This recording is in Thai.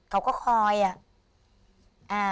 เขาก็คอยอ่ะ